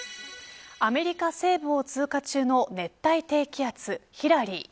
アメリカ西部を通過中の熱帯低気圧ヒラリー。